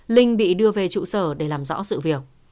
linh bị đưa về trụ sở để làm rõ sự việc